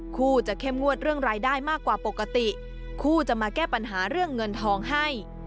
คู่จะเข้มงวดเรื่องรายได้มากกว่าปกติคู่จะมาแก้ปัญหาเรื่องเงินทองให้